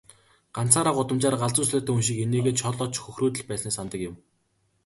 Ганцаараа гудамжаар галзуу солиотой хүн шиг инээгээд, шоолоод ч хөхрөөд л байснаа санадаг юм.